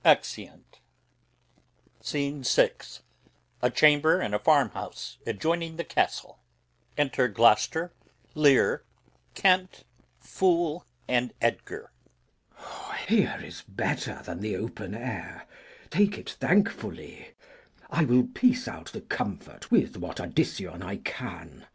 Exeunt. Scene VI. A farmhouse near Gloucester's Castle. Enter Gloucester, Lear, Kent, Fool, and Edgar. Glou. Here is better than the open air; take it thankfully. I will piece out the comfort with what addition I can.